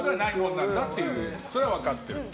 それは分かっている。